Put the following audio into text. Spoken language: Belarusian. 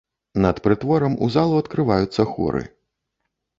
Над прытворам у залу адкрываюцца хоры.